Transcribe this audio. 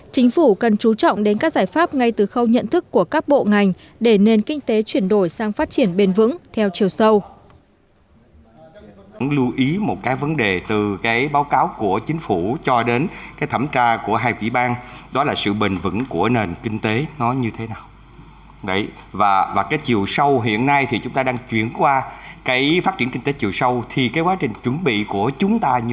chính phủ cần trú trọng đến các giải pháp ngay từ khâu nhận thức của các bộ ngành để nền kinh tế chuyển đổi sang phát triển bền vững theo chiều sâu